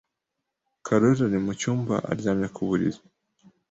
Karoli ari mucyumba, aryamye ku buriri.